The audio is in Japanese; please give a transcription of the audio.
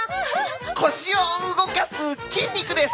腰を動かす筋肉です！